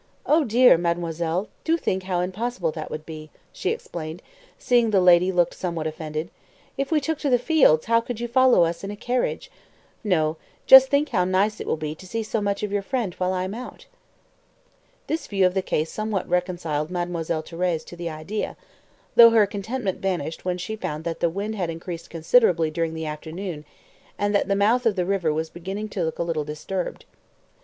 "Oh, dear, mademoiselle, do think how impossible that would be," she explained, seeing the lady looked somewhat offended. "If we took to the fields how could you follow us in a carriage? No; just think how nice it will be to see so much of your friend while I am out." This view of the case somewhat reconciled Mademoiselle Thérèse to the idea, though her contentment vanished when she found that the wind had increased considerably during the afternoon, and that the mouth of the river was beginning to look a little disturbed.